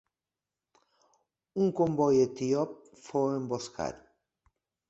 Un comboi etíop fou emboscat.